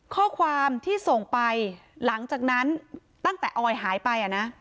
ข้อความที่ส่งไปหลังจากนั้นตั้งแต่ออยหายไป